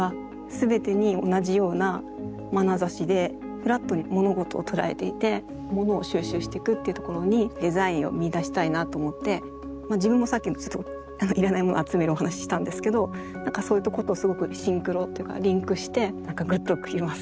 フラットに物事を捉えていてものを収集していくっていうところにデザインを見いだしたいなと思って自分もさっきいらないもの集めるお話したんですけど何かそういうとことすごくシンクロというかリンクして何かグッときます。